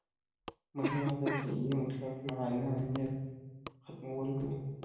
مهم اهداف یې مطلق العنانیت ختمول وو.